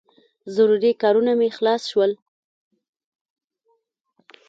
ضروري کارونه مې خلاص شول.